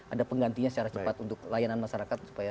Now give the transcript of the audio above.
ada penggantinya secara cepat untuk layanan masyarakat